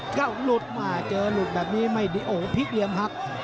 หลุดมาเจอหลุดแบบนี้ไม่ดีโอ้พลิกเหลี่ยมหัก